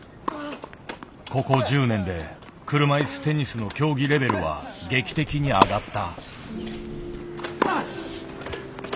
ここ１０年で車いすテニスの競技レベルは劇的に上がった。